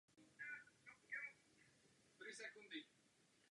Na konci turnaje si převzal několik individuálních ocenění.